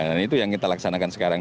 dan itu yang kita laksanakan sekarang